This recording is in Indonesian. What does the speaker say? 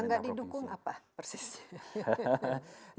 yang tidak didukung apa persis